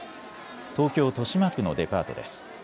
東京豊島区のデパートです。